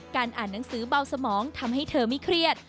อ่านหนังสือเบาสมองทำให้เธอไม่เครียด